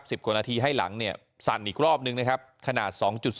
กว่านาทีให้หลังเนี่ยสั่นอีกรอบนึงนะครับขนาด๒๐